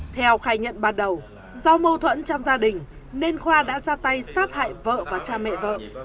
theo khai nhận ban đầu do mâu thuẫn trong gia đình nên khoa đã ra tay sát hại vợ và cha mẹ vợ